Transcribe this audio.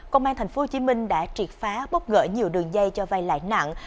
công an tp hcm đã triệt phá bóp gỡ nhiều đường dây cho vay lại nặng